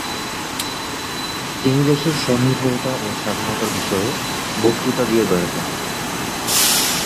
তিনি দেশের স্বনির্ভরতা ও স্বাধীনতার বিষয়ে বক্তৃতা দিয়ে বেড়াতেন।